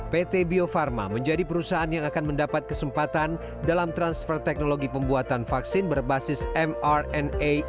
pt bio farma menjadi perusahaan yang akan mendapat kesempatan dalam transfer teknologi pembuatan vaksin berbasis mrna